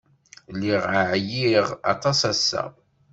Lliɣ ɛyiɣ aṭas ass-a.